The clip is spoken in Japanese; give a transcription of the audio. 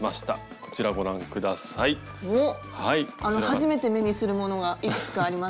初めて目にするものがいくつかあります。